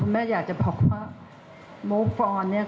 หรือว่าคุณแม่อยากจะฝากตัวอื่นมาที่ยังไม่มีออนแปลกเรื่องนี้หรือเปล่า